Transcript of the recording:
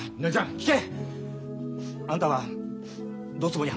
聞け！